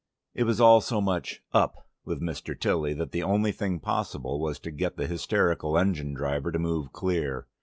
It was all so much "up" with Mr. Tilly that the only thing possible was to get the hysterical engine driver to move clear.